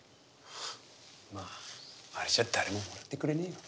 まああれじゃ誰ももらってくれねえよ。